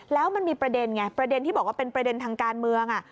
แล้วมันมีประเด็นไงประเด็นที่บอกว่าเป็นประเด็นทางการเมือง